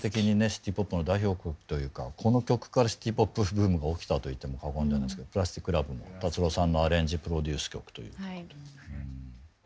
シティ・ポップの代表曲というかこの曲からシティ・ポップブームが起きたといっても過言ではないですけど「プラスティック・ラブ」も達郎さんのアレンジ・プロデュース曲ということで。